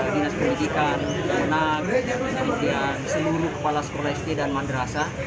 dinas pendidikan nang dan seluruh kepala sekolah sd dan mandrasa